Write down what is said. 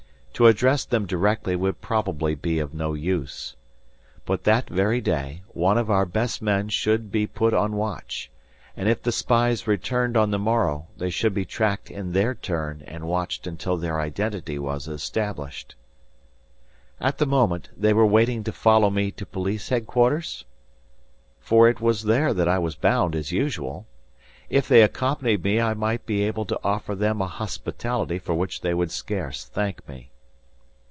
To address them directly would probably be of no use. But that very day, one of our best men should be put on watch, and if the spies returned on the morrow, they should be tracked in their turn, and watched until their identity was established. At the moment, were they waiting to follow me to police headquarters? For it was there that I was bound, as usual. If they accompanied me I might be able to offer them a hospitality for which they would scarce thank me.